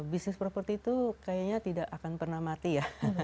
bisnis properti itu kayaknya tidak akan pernah mati ya